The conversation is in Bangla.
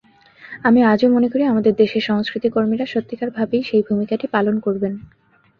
আমি আজও মনে করি আমাদের দেশের সংস্কৃতিকর্মীরা সত্যিকারভাবেই সেই ভূমিকাটি পালন করবেন।